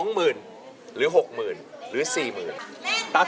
หรือ๖๐๐๐หรือ๔๐๐๐บาท